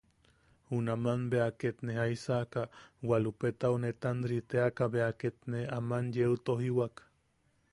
Junaman bea, ket jaisaka Walupetau netanri teaka beja ket ne aman yeu tojiwak.